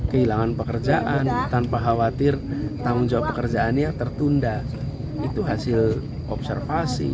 kehilangan pekerjaan tanpa khawatir tanggung jawab pekerjaannya tertunda itu hasil observasi